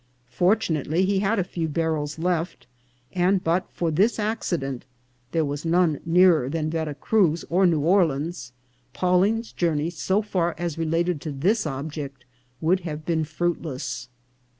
Fortunately, he had a few barrels left ; and but for this accident — there was none nearer than Vera A FLOATING HOME. 393 Cruz or New Orleans — Pawling's journey, so far as re lated to this object, would have been fruitless.